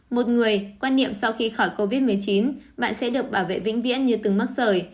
một người quan niệm sau khi khỏi covid một mươi chín bạn sẽ được bảo vệ vĩnh viễn như từng mắc sởi